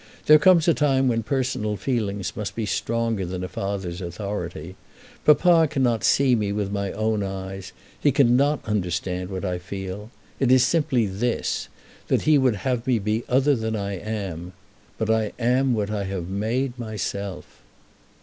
There comes a time when personal feelings must be stronger than a father's authority. Papa cannot see me with my own eyes; he cannot understand what I feel. It is simply this, that he would have me to be other than I am. But I am what I have made myself."